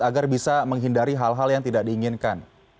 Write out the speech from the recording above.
agar bisa menghindari hal hal yang tidak diinginkan